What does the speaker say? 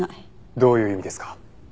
どういう意味ですか？